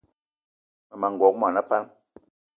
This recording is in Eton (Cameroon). Mmema n'gogué mona pam